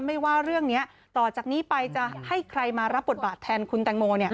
ไม่ว่าเรื่องนี้ต่อจากนี้ไปจะให้ใครมารับบทบาทแทนคุณแตงโม